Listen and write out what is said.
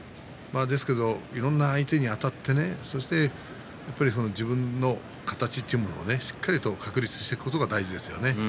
いろんな相手にあたって自分の形というものをしっかり確立していくことが大事ですよね。